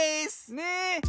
ねえ。